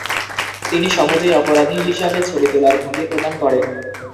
তিনি সহজেই অপরাধী হিসাবে ছবি তোলার ভঙ্গি প্রদান করেন।